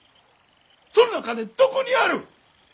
そんな金どこにある！